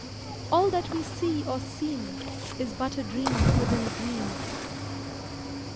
_ All that we see or seem Is but a dream within a dream.